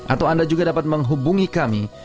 atau anda juga dapat menghubungi kami